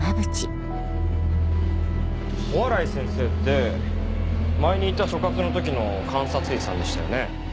小洗先生って前にいた所轄の時の監察医さんでしたよね？